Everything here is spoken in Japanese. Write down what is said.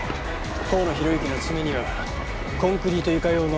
甲野弘之の爪にはコンクリート床用の塗料片。